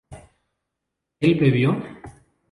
¿él bebió?